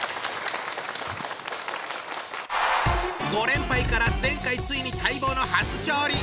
５連敗から前回ついに待望の初勝利！